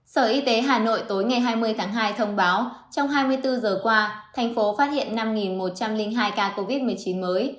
sở y tế hà nội tối ngày hai mươi tháng hai thông báo trong hai mươi bốn giờ qua thành phố phát hiện năm một trăm linh hai ca covid một mươi chín mới